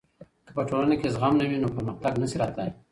که په ټولنه کي زغم نه وي نو پرمختګ نسي راتلای.